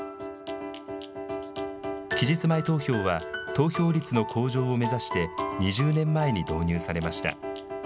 期日前投票は、投票率の向上を目指して、２０年前に導入されました。